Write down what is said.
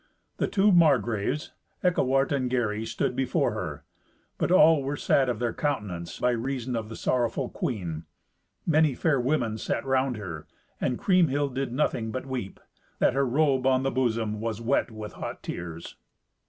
The two Margraves, Eckewart and Gary stood before her, but all were sad of their countenance by reason of the sorrowful queen; many fair women sat round her, and Kriemhild did nothing but weep; that her robe on the bosom was wet with hot tears.